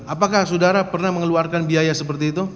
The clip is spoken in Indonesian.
apakah saudara pernah mengeluarkan biaya seperti itu